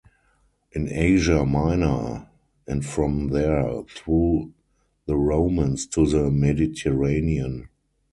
In Asia Minor and from there through the Romans to the Mediterranean.